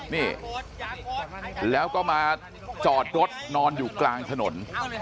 นี่แล้วก็มาจอดรถนอนอยู่กลางถนน